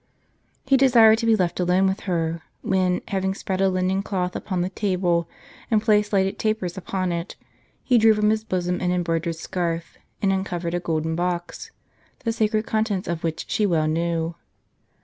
He desired to be left alone with her ; when, having spread a linen cloth upon the table, and placed lighted tapers upon it, he drew from his bosom an embroidered scarf, and uncovered a golden box, the sacred contents of which she well knew.